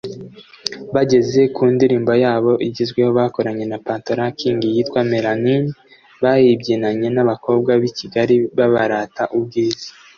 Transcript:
Bageze ku ndirimbo yabo igezweho bakoranye na Patoranking yitwa "Melanin" bayibyinanye n’abakobwa b’i Kigali babarata ubwiza